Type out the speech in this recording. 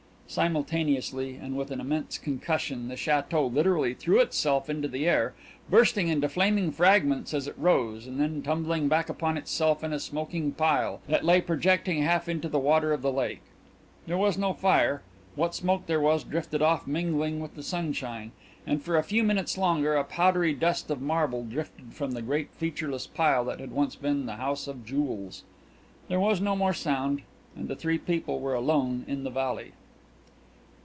Simultaneously, and with an immense concussion, the château literally threw itself into the air, bursting into flaming fragments as it rose, and then tumbling back upon itself in a smoking pile that lay projecting half into the water of the lake. There was no fire what smoke there was drifted off mingling with the sunshine, and for a few minutes longer a powdery dust of marble drifted from the great featureless pile that had once been the house of jewels. There was no more sound and the three people were alone in the valley.